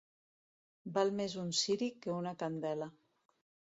Val més un ciri que una candela.